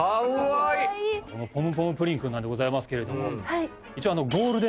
ポムポムプリンくんなんでございますけれども一応。